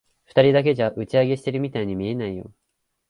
二人だけじゃ、打ち上げしてるみたいに見えないよ。